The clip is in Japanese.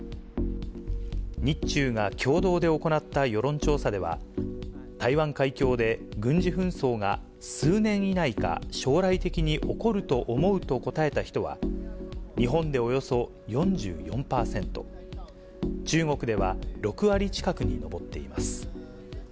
日中が共同で行った世論調査では、台湾海峡で軍事紛争が数年以内か将来的に起こると思うと答えた人は、日本でおよそ４４％、中国では６割近くに上っています。